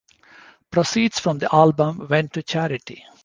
Proceeds from the album went to charity.